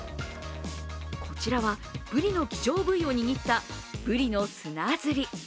こちらは、ブリの希少部位を握ったブリの砂ずり。